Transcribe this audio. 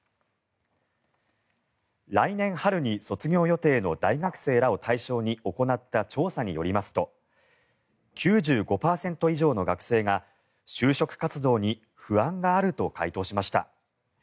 来年春に卒業予定の大学生らを対象に行った調査によりますと９５％以上の学生が就職活動に不安があると回答しました。